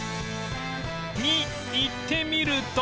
に行ってみると